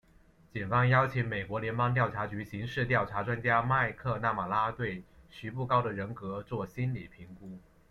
警方邀请美国联邦调查局刑事调查专家麦克纳马拉对徐步高的人格作心理评估。